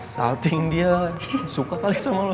salting dia wan suka kali sama lo